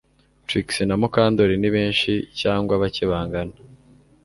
Trix na Mukandoli ni benshi cyangwa bake bangana